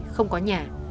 không có nhà